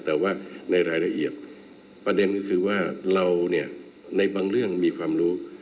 แต่ว่าในรายละเอียดประเด็นก็คือว่าเราเนี่ยในบางเรื่องมีความรู้